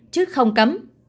chứ không cấm